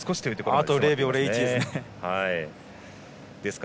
あと０秒０１でした。